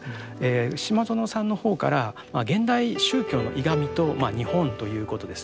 島薗さんの方から現代宗教の歪みと日本ということですね。